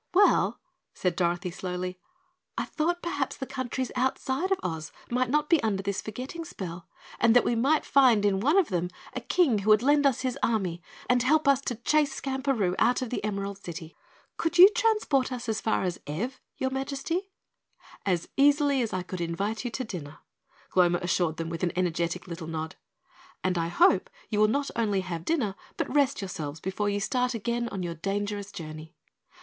"Well," said Dorothy slowly, "I thought perhaps the countries outside of Oz might not be under this forgetting spell and that we might find in one of them a King who would lend us his army and help us to chase Skamperoo out of the Emerald City. Could you transport us as far as Ev, your Majesty?" "As easily as I could invite you to dinner," Gloma assured them with an energetic little nod, "and I hope you will not only have dinner but rest yourselves before you start again on your dangerous journey."